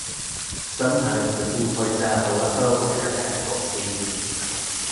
Sometimes, the team plays at Aleppo International Stadium.